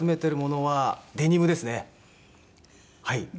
はい。